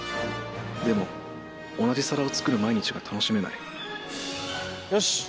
でも同じ皿を作る毎日が楽しめない